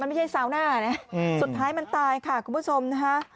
มันไม่ใช่ซาน่าเนี่ยเสด้อยมันตายค่ะคุณผู้ชมนะฮะ